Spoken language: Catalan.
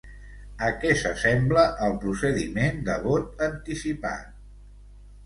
A què s'assembla el procediment de vot anticipat?